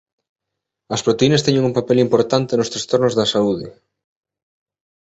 As proteínas teñen un papel importante nos trastornos da saúde.